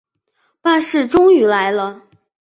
巴士终于来了